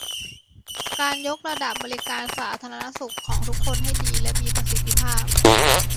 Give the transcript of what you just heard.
การยกระดับบริการสาธารณสุขของทุกคนให้ดีและมีประสิทธิภาพ